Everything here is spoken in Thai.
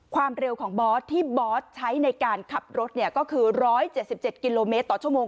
ความเร็วของบอสที่บอสใช้ในการขับรถเนี่ยก็คือร้อยเจ็ดสิบเกิดกิโลเมตรต่อชั่วโมง